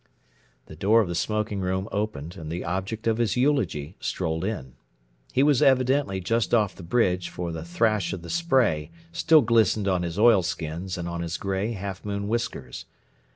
The door of the smoking room opened and the object of his eulogy strolled in. He was evidently just off the bridge, for the thrash of the spray still glistened on his oilskins and on his gray, half moon whiskers.